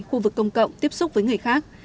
khu vực công cộng tiếp xúc với người khác